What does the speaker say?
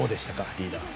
リーダー。